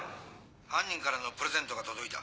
犯人からのプレゼントが届いた。